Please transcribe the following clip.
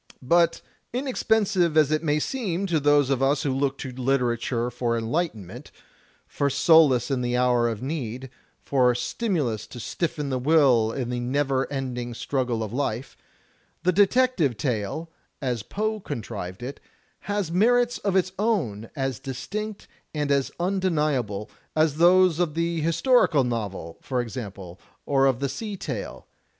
But inexpensive as it may seem to those of us who look to literature for enlightenment, for solace in the hour of need, for stimulus to stiffen the will in the never ending struggle of life, the detective tale, as Poe contrived it, has merits of its own as distinct and as imdeniable, as those of the historical novel, for example, or of the sea tale.